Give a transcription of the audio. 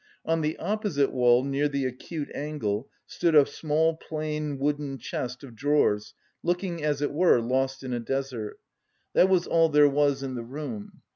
On the opposite wall near the acute angle stood a small plain wooden chest of drawers looking, as it were, lost in a desert. That was all there was in the room.